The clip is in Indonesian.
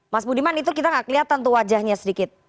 mas budiman itu kita gak kelihatan tuh wajahnya sedikit